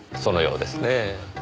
そのようですねえ。